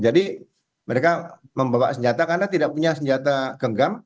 jadi mereka membawa senjata karena tidak punya senjata genggam